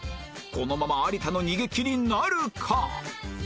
このまま有田の逃げ切りなるか？